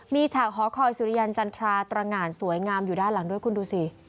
มีฉากหอคอยสุริยันจันทราตรงานสวยงามอยู่ด้านหลังด้วยคุณดูสิ